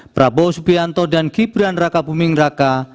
prabowo subianto dan gibran raka buming raka